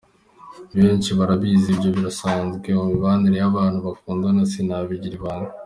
Benshi barabizi, ibyo birasanzwe mu mibanire y’abantu bakundana sinabigira ibanga.